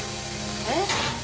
えっ？